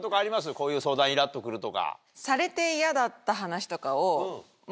こういう相談イラっとくるとか。